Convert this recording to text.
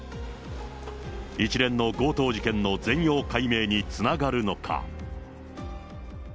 一連の強盗事件の全容解明につながるのか。